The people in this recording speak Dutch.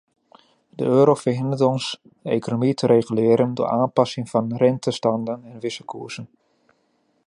De euro verhindert ons de economie te reguleren door aanpassing van rentestanden en wisselkoersen.